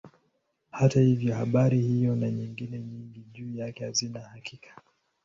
Hata hivyo habari hiyo na nyingine nyingi juu yake hazina hakika.